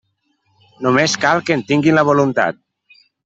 Només cal que en tinguin la voluntat.